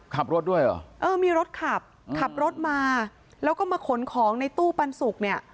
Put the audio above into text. ขับรถด้วยเหรอเออมีรถขับขับรถมาแล้วก็มาขนของในตู้ปันสุกเนี่ย